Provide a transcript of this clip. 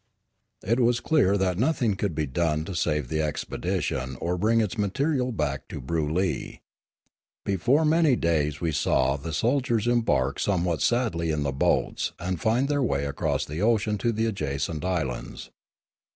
It was clear that nothing could be done to save the expedition or bring its material back to Broolyi. Be fore many days we saw the soldiers embark somewhat sadly in the boats and find their way across the ocean to the adjacent islands.